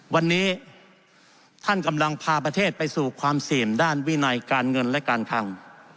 วันนี้ท่านกำลังพาประเทศไปสู่ความเสี่ยงด้านวินัยการเงินและการคัง